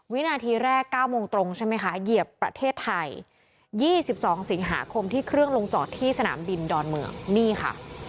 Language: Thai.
วินาทีแรก๙โมงตรงใช่ไหมคะเหยียบประเทศไทย๒๒สิงหาคมที่เครื่องลงจอดที่สนามบินดอนเมืองนี่ค่ะ